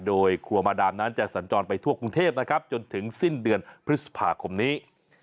โดยครัวมาดามนั้นจะสัญจรไปทั่วกรุงเทพนะครับจนถึงสิ้นเดือนพฤษภาคมนี้